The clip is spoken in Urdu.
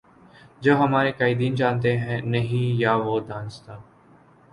جو ہمارے قائدین جانتے نہیں یا وہ دانستہ